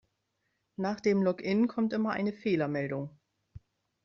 Nach dem Login kommt immer eine Fehlermeldung.